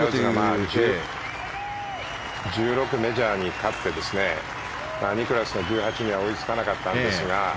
１６、メジャーに勝ってニクラウスの１８には追いつかなかったんですが。